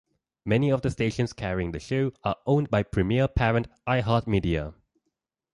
Many of the stations carrying the show are owned by Premiere parent iHeartMedia.